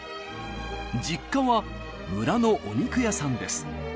実家は村のお肉屋さんです。